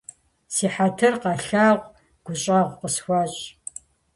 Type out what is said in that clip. Си хьэтыр къэлъагъу, гущӏэгъу къысхуэщӏ.